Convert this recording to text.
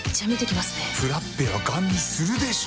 フラッペはガン見するでしょ。